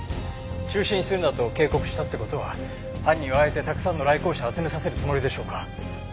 中止にするなと警告したって事は犯人はあえてたくさんの来校者を集めさせるつもりでしょうか？